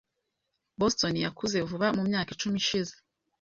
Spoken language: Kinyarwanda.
Boston yakuze vuba mumyaka icumi ishize.